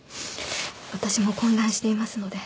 私も混乱していますので。